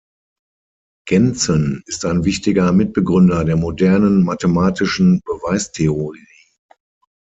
Gentzen ist ein wichtiger Mitbegründer der modernen mathematischen Beweistheorie.